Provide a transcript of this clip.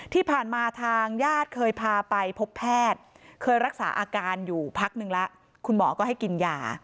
ที่ผ่านมาทางญาติเคยพาไปพบแพทย์เคยรักษาอาการอยู่พักนึงแล้วคุณหมอก็ให้กินยา